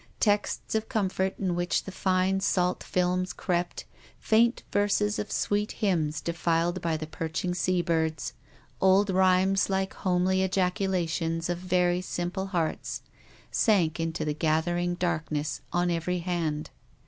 Texts of comfort in which the fine, salt films crept, faint verses of sweet hymns defiled by the perching sea birds, old rhymes like homely ejaculations of very simple hearts, sank into the gathering darkness on every hand.